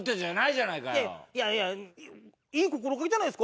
いやいやいい心がけじゃないですか。